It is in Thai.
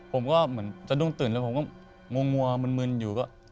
ผมก็เหมือนสะดุ้งตื่นแล้วผมก็งัวมึนอยู่ก็